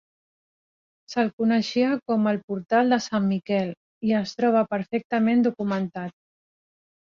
Se'l coneixia com el portal de Sant Miquel i es troba perfectament documentat.